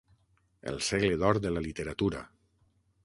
El segle d'or de la literatura.